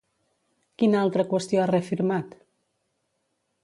Quina altra qüestió ha reafirmat?